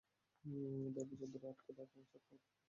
দেড় বছর ধরে আটকে রেখে সরকার এখন বলছে, কোনো মুনাফা দেওয়া হবে না।